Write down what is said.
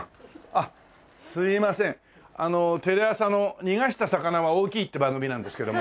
あっすいませんテレ朝の「逃がした魚は大きい」って番組なんですけども。